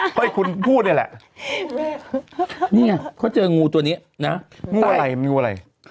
ก็ให้คุณพูดนี่แหละนี่ไงเขาเจองูตัวนี้นะงูอะไรงูอะไร